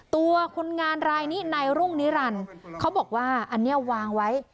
ตัวคนงานรายนี้ในรุ่งนิรันดิ์เขาบอกว่าอันนี้วางไว้